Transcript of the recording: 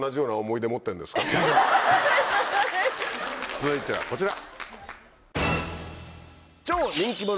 続いてはこちら。